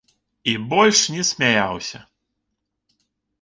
І больш не смяяўся.